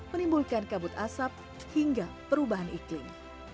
menimbulkan kabut asap hingga perubahan iklim